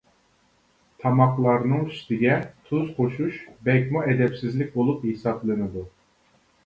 تاماقلارنىڭ ئۈستىگە تۇز قوشۇش بەكمۇ ئەدەپسىزلىك بولۇپ ھېسابلىنىدۇ.